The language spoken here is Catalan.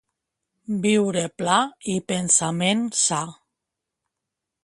Viure pla i pensament sa.